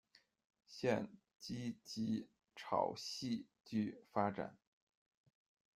现积极朝戏剧发展。